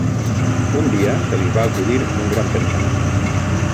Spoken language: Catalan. Un dia se li va acudir un gran pensament